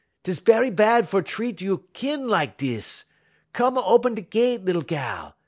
'Tis berry bad fer treat you' kin lak dis. Come y open da gett, lil gal.